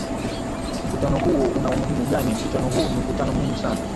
mkutano huo una umuhimu gani mkutano huu ni mkutano muhimu sana